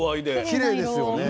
きれいですよね。